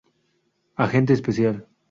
Agente especial.